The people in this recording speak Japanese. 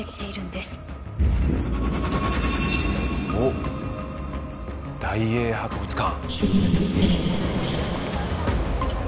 おっ大英博物館。